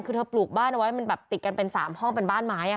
คือเธอปลูกบ้านเอาไว้มันแบบติดกันเป็น๓ห้องเป็นบ้านไม้